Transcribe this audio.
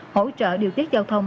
hỗ trợ điều tiết giao thông